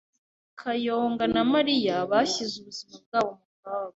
Kayonga na Mariya bashyize ubuzima bwabo mu kaga.